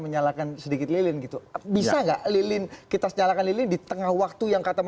menyalakan sedikit lilin gitu bisa enggak lilin kita senyala kali ini di tengah waktu yang kata